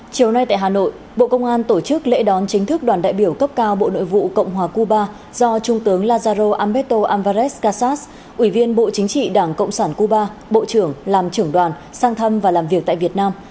chiều nay tại hà nội bộ công an tổ chức lễ đón chính thức đoàn đại biểu cấp cao bộ nội vụ cộng hòa cuba do trung tướng lazaro amberto alvared kassas ủy viên bộ chính trị đảng cộng sản cuba bộ trưởng làm trưởng đoàn sang thăm và làm việc tại việt nam